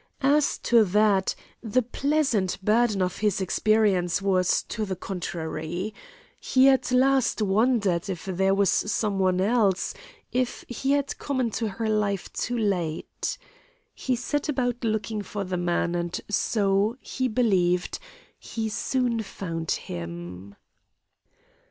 As to that, the pleasant burden of his experience was to the contrary. He at last wondered if there was some one else, if he had come into her life too late. He set about looking for the man and so, he believed, he soon found him.